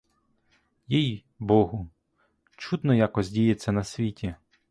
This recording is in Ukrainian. Їй-богу, чудно якось діється на світі!